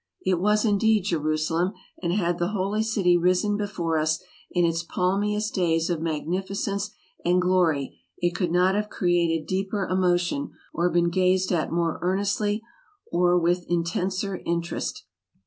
" It was, indeed, Jerusalem, and had the Holy City risen before us in its palmiest days of magnificence and glory, it could not have created deeper emotion, or been gazed at more earnestly and with intenser interest.